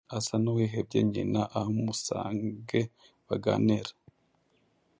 asa n’uwihebye nyina ahamusange baganir